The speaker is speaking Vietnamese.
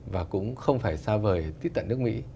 và cũng không phải xa vời tít tận nước mỹ